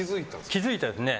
気づいたんですね